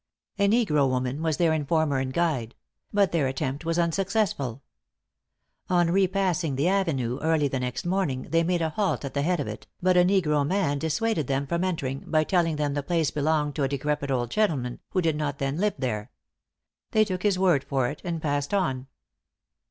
A negro woman was their informer and guide; but their attempt was unsuccessful. On re passing the avenue early the next morning, they made a halt at the head of it, but a negro man dissuaded them from entering, by telling them the place belonged to a decrepit old gentleman, who did not then live there. They took his word for it, and passed on.